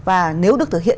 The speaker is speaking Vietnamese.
và nếu được thực hiện